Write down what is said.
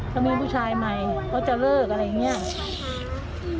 เขามีผู้ชายใหม่เขาจะเลิกอะไรอย่างนี้